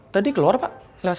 tadi keluar pak